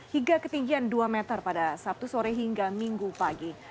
hingga ketinggian dua meter pada sabtu sore hingga minggu pagi